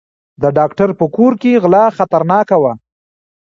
د ډاکټر په کور کې غلا خطرناکه وه.